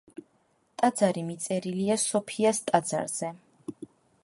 ტაძარი მიწერილია სოფიას ტაძარზე.